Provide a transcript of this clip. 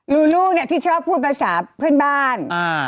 ลูลูเนี่ยที่ชอบพูดภาษาเพื่อนบ้าน